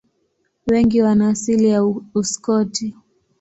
Wengi wana asili ya Uskoti.